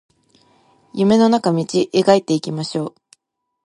夢の中道描いていきましょう